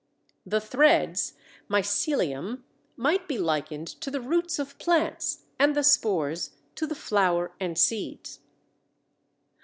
The threads mycelium might be likened to the roots of plants and the spores to the flower and seeds.